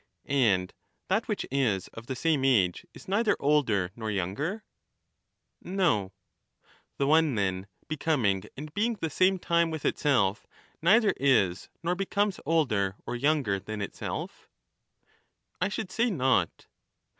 And that which is of the same age, is neither older nor younger ? No. The one, then, becoming and being the same time with itself, neither is nor becomes older or younger than itself? I should say not.